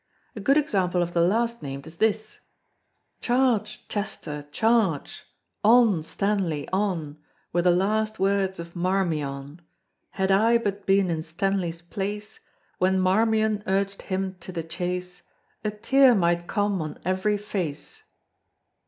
A good example of the last named is this: Charge, Chester, Charge: on, Stanley, on! Were the last words of Marmion. Had I but been in Stanley's place, When Marmion urged him to the chase, A tear might come on every face.